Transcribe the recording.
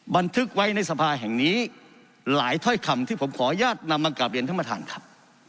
บันทึกไว้ในสภาแห่งนี้หลายถ้อยคำที่ผมขออนุญาตนำมากลับเรียนท่านประธานครับ